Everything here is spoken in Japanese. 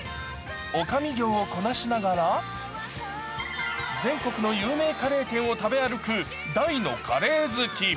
おかみ業をこなしながら、全国の有名カレー店を食べ歩く大のカレー好き。